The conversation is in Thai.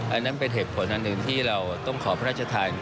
อันนั้นเป็นเหตุผลอันหนึ่งที่เราต้องขอพระราชทาน